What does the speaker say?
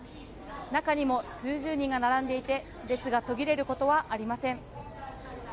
中にも数十人が並んでいて列が途切れることはありません。